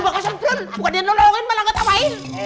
bukan dia nolongin malah ngetawain